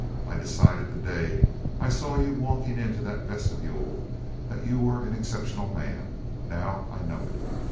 I decided the day I saw you walking into that vestibule that you were an exceptional man; now I know it.